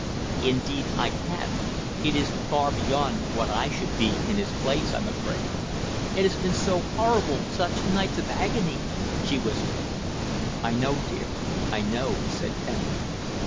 "Indeed I can, it is far beyond what I should be in his place, I'm afraid." "It has been so horrible, such nights of agony " she whispered. "I know, dear, I know!" he said tenderly.